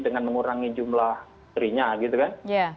dengan mengurangi jumlah trinya gitu kan